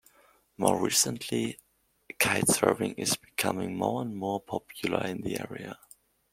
More recently kitesurfing is becoming more and more popular in the area.